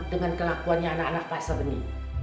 dengan kelakuannya anak anak pak sebeni